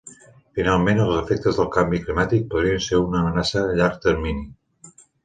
Finalment, els efectes del canvi climàtic podrien ser una amenaça a llarg termini.